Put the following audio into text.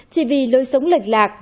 chỉ vì lối sống lệch lạc